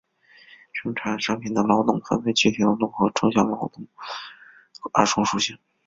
生产商品的劳动分为具体劳动和抽象劳动二重属性。